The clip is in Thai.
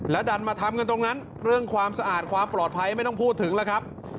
ดันมาทำกันตรงนั้นเรื่องความสะอาดความปลอดภัยไม่ต้องพูดถึงแล้วครับ